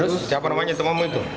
siapa namanya temanmu itu